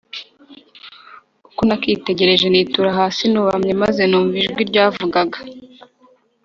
Uko nakitegereje nitura hasi nubamye, maze numva ijwi ryavugaga